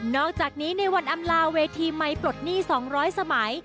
อกจากนี้ในวันอำลาเวทีไมค์ปลดหนี้๒๐๐สมัย